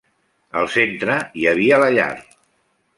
Al centre hi havia la llar.